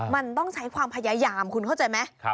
มันต้องใช้ความพยายามคุณเข้าใจไหม